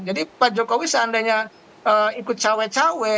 jadi pak jokowi seandainya ikut cawe cawe